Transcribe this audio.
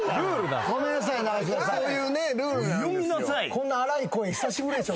こんな荒い声久しぶりでしょ？